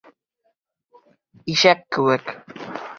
Ишәк кеүек!